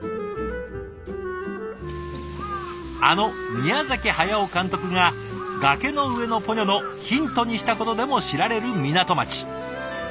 あの宮崎駿監督が「崖の上のポニョ」のヒントにしたことでも知られる港町。